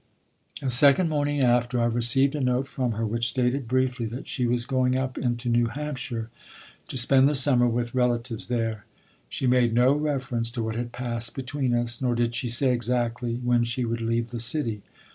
The second morning after, I received a note from her which stated briefly that she was going up into New Hampshire to spend the summer with relatives there. She made no reference to what had passed between us; nor did she say exactly when she would leave the city.